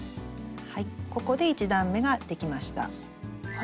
ここで１段めができました。